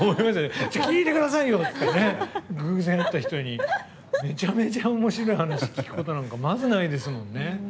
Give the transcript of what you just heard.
聞いてくださいよ！って偶然会った人にめちゃめちゃおもしろい話聞くことなんてまず、ないですもんね。